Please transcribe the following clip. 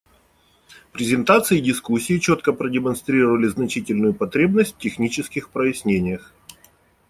Презентации и дискуссии четко продемонстрировали значительную потребность в технических прояснениях.